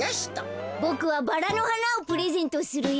ボクはバラのはなをプレゼントするよ。